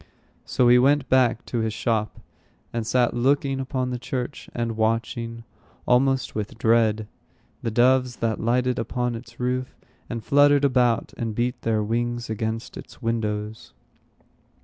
So he went back to his shop, and sat looking upon the church, and watching, almost with dread, the doves that lighted upon its roof, and fluttered about, and beat their wings against its windows.